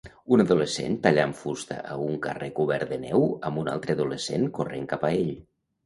Un adolescent tallant fusta a un carrer cobert de neu amb un altre adolescent corrent cap a ell.